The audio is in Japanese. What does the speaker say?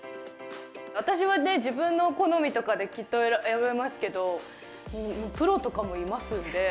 私は自分の好みとかできっと選べますけど、プロとかもいますんで。